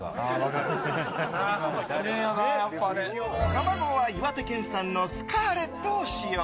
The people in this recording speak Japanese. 卵は岩手県産のスカーレットを使用。